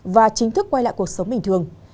và chính thức quay lại cuộc sống bình thường